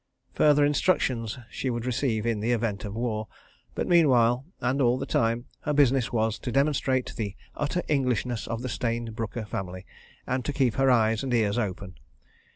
... Further instructions she would receive in the event of war, but meanwhile, and all the time, her business was to demonstrate the utter Englishness of the Stayne Brooker family, and to keep her eyes and ears open.